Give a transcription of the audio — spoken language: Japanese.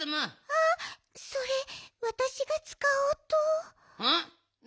あっそれわたしがつかおうと。